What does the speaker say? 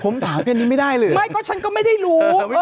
ผมถามแค่นี้ไม่ได้เลยไม่ก็ฉันก็ไม่ได้รู้